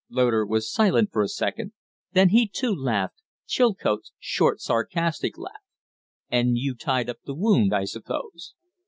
Loder was silent for a second, then he too laughed Chilcote's short, sarcastic laugh. "And you tied up the wound, I suppose?"